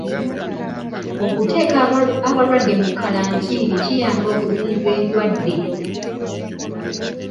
Okuteeka abalwadde mu kalantiini kiyamba okuziyiza endwadde.